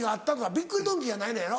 びっくりドンキーやないのやろ？